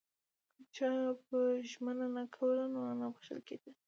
که چا به ژمنه نه کوله نو نه بخښل کېده.